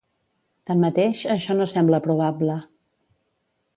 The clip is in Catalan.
Tanmateix, això no sembla probable.